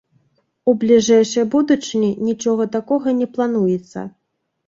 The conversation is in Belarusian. У бліжэйшай будучыні нічога такога не плануецца.